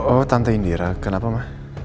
oh tante indira kenapa mah